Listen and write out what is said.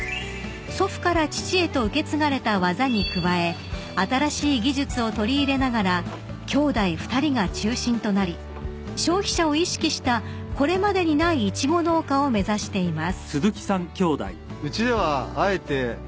［祖父から父へと受け継がれた技に加え新しい技術を取り入れながら兄弟２人が中心となり消費者を意識したこれまでにないイチゴ農家を目指しています］